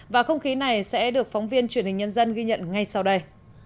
và không khí này sẽ được phóng viên truyền hình nhân dân ghi nhận ngay sau đây